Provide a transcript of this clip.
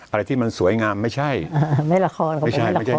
อะไรที่มันสวยงามไม่ใช่อ่าไม่ละครไม่ใช่ไม่ใช่